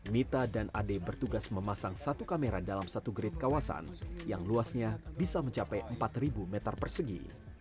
mita dan ade bertugas memasang satu kamera dalam satu grade kawasan yang luasnya bisa mencapai empat meter persegi